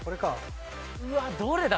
うわっどれだ？